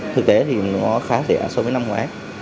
thực tế thì nó khá rẻ so với năm ngoái